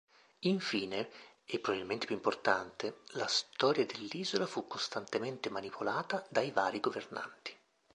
Infine, e probabilmente più importante, la storia dell'isola fu costantemente manipolata dai vari governanti.